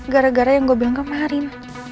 gara gara yang gue bilang kemarin